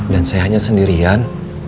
dan saya hanya sendirian